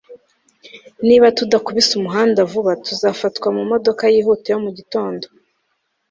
Niba tudakubise umuhanda vuba tuzafatwa mumodoka yihuta yo mu gitondo